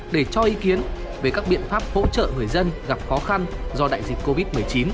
để cho ý kiến về các biện pháp hỗ trợ người dân gặp khó khăn do đại dịch covid một mươi chín